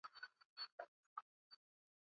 kundi la wanamgambo la waasi lenye makao yake